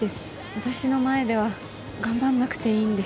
私の前では頑張んなくていいんで。